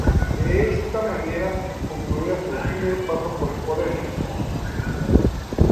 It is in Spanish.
De esta manera concluía su efímero paso por el poder.